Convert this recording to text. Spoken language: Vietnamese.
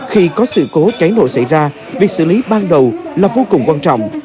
khi có sự cố cháy nổ xảy ra việc xử lý ban đầu là vô cùng quan trọng